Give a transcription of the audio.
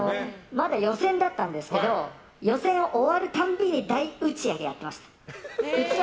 まだ予選だったんですけど予選終わるたびに大打ち上げやってました。